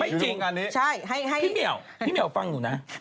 พี่มิวพี่มิวฟังหนูนะ